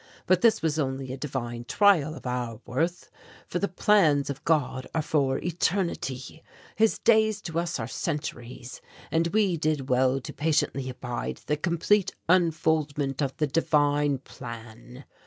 But this was only a divine trial of our worth, for the plans of God are for eternity. His days to us are centuries. And we did well to patiently abide the complete unfoldment of the Divine plan.